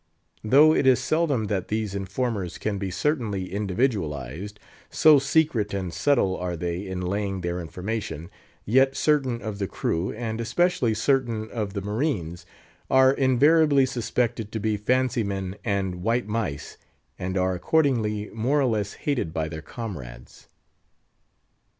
Though it is seldom that these informers can be certainly individualised, so secret and subtle are they in laying their information, yet certain of the crew, and especially certain of the marines, are invariably suspected to be fancy men and white mice, and are accordingly more or less hated by their comrades.